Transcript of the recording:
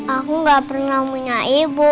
aku gak pernah punya ibu